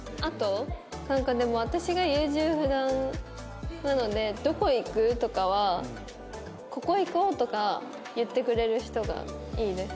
なんかでも私が優柔不断なので「どこ行く？」とかは「ここ行こう」とか言ってくれる人がいいです。